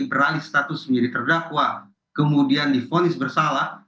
beralih status menjadi terdakwa kemudian difonis bersalah